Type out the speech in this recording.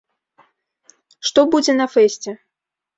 Што будзе на фэсце?